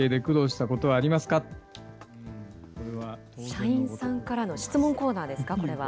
社員さんからの質問コーナーですか、これは。